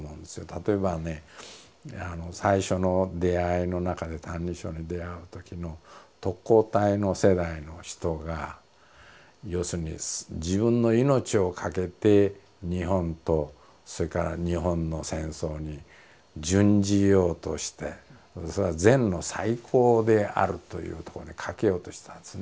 例えばね最初の出会いの中で「歎異抄」に出会うときの特攻隊の世代の人が要するに自分の命を懸けて日本とそれから日本の戦争に殉じようとしてそれは善の最高であるというとこに懸けようとしたんですね。